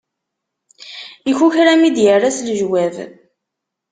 Ikukra mi d-yerra s lejwab.